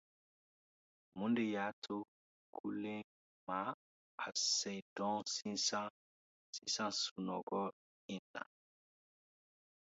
Mun de y’a to Kunle ma a sen don sisan sunɔgɔ in na